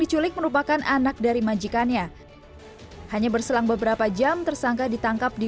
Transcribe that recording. diculik merupakan anak dari majikannya hanya berselang beberapa jam tersangka ditangkap di